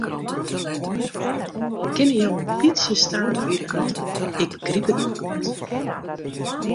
Kinne jo in bytsje stadiger prate, ik begryp it net goed.